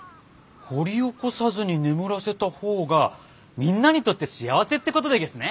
掘り起こさずに眠らせたほうがみんなにとって幸せってことでげすね？